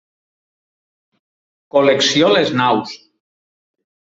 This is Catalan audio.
Col·lecció Les Naus.